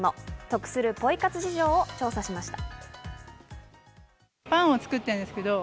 得するポイ活事情を調査しました。